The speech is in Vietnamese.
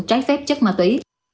trái phép chất ma túy